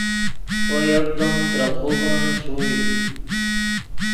وو یکدم ترے خوبن ݰوئے